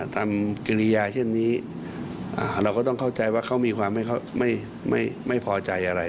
กิริยาเช่นนี้เราก็ต้องเข้าใจว่าเขามีความไม่พอใจอะไร